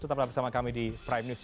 tetaplah bersama kami di prime news